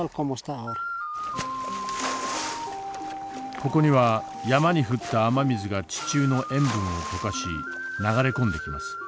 ここには山に降った雨水が地中の塩分を溶かし流れ込んできます。